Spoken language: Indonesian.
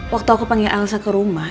waktu aku panggil elsa ke rumah